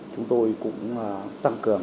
chúng tôi cũng tăng cường